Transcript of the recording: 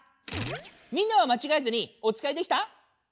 みんなはまちがえずにおつかいできた？